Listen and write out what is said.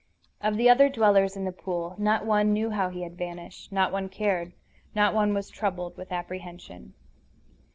Of the other dwellers in the pool not one knew how he had vanished; not one cared; not one was troubled with apprehension.